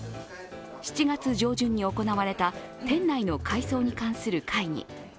７月上旬に行われた店内の改装に関する会議。